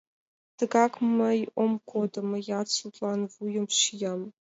— Тыгак мый ом кодо; мыят судлан вуйым шиям.